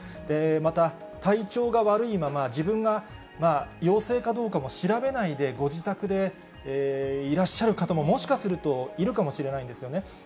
また、体調が悪いまま、自分が陽性かどうかも調べないでご自宅でいらっしゃる方も、もしかすると、いるかもしれないんですよね。